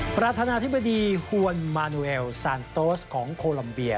ประธานาธิบดีฮวนมานูเอลซานโตสของโคลัมเบีย